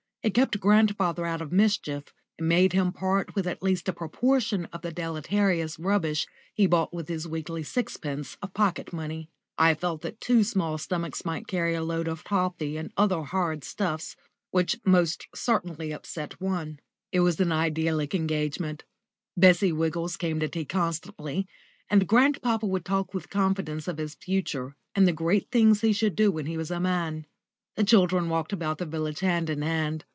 It kept grandfather out of mischief, and made him part with at least a proportion of the deleterious rubbish he bought with his weekly sixpence of pocket money. I felt that two small stomachs might carry a load of toffee and other horrid stuffs, which must certainly upset one. It was an idyllic engagement. Bessie Wiggles came to tea constantly, and grandpapa would talk with confidence of his future and the great things he should do when he was a man. The children walked about the village hand in hand.